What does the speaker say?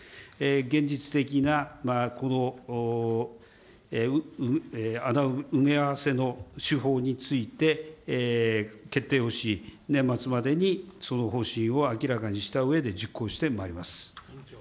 現実的な、埋め合わせの手法について、決定をし、年末までにその方針を明らかにしたうえで、実行してまいります。